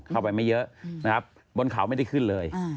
ไม่เยอะนะครับบนเขาไม่ได้ขึ้นเลย